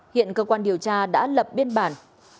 hiện cơ quan điều tra đã lập biên bản